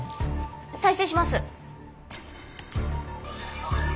再生します。